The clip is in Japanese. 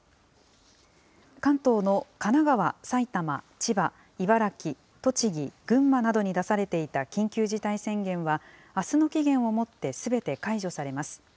関東の神奈川、埼玉、千葉、茨城、栃木、群馬などに出されていた緊急事態宣言は、あすの期限をもってすべて解除されます。